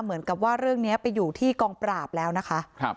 เหมือนกับว่าเรื่องนี้ไปอยู่ที่กองปราบแล้วนะคะ